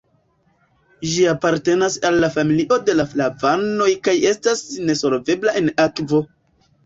Ĝi apartenas al la familio de la flavanoj kaj estas nesolvebla en akvo.